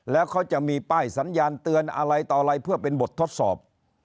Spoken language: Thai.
แล้วเขาจะมีป้ายสัญญาณเตือนอะไรต่ออะไรเพื่อเป็นบททดสอบ